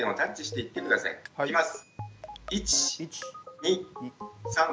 いきます。